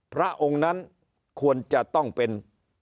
พระองค์นั้นควรจะต้องเป็น